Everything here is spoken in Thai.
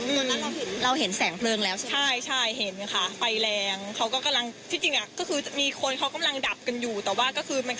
มันไม่ได้เหลวครั้งหลายแต่มันได้หนีไฟได้ทัน